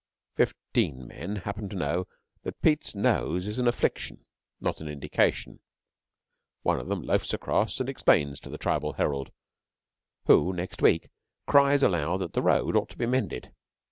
Fifteen men happen to know that Pete's nose is an affliction, not an indication. One of them loafs across and explains to the Tribal Herald, who, next week, cries aloud that the road ought to be mended.